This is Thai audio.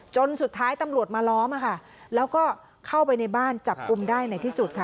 จนสุดท้ายตำรวจมาล้อมแล้วก็เข้าไปในบ้านจับกลุ่มได้ในที่สุดค่ะ